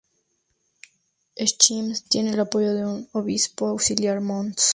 Schmitz tiene el apoyo de un obispo auxiliar, Mons.